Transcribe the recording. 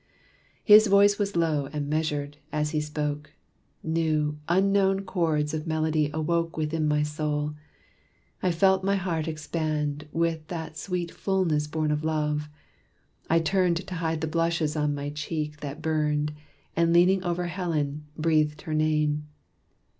His voice was low, and measured: as he spoke, New, unknown chords of melody awoke Within my soul. I felt my heart expand With that sweet fullness born of love. I turned To hide the blushes on my cheek that burned, And leaning over Helen, breathed her name.